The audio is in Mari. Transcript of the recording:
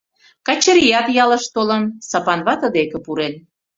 — Качырият ялыш толын, Сапан вате деке пурен.